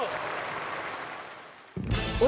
お！